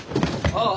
ああ。